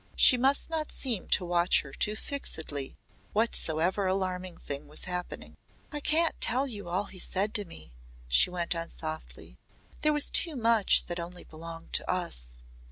She must not seem to watch her too fixedly whatsoever alarming thing was happening. "I can't tell you all he said to me," she went on softly. "There was too much that only belonged to us.